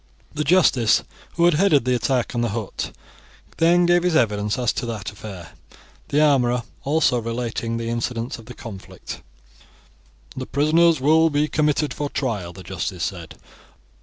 The justice who had headed the attack on the hut then gave his evidence as to that affair, the armourer also relating the incidents of the conflict. "The prisoners will be committed for trial," the justice said.